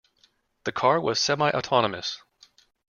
The car was semi-autonomous.